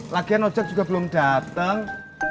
lagian ojak juga belum dateng